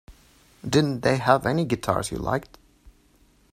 Didn't they have any guitars you liked?